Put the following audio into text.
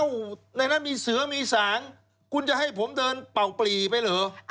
ในนั้นมีเสือมีสางคุณจะให้ผมเดินเป่าปลีไปเหรอ